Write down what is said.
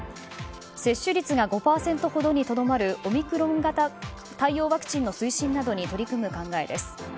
接種率が５％ほどにとどまるオミクロン型対応ワクチンの推進などに取り組む考えです。